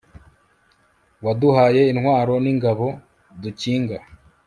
waduhaye intwaro n'ingabo dukinga